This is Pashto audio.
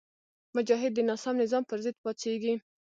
مجاهد د ناسم نظام پر ضد پاڅېږي.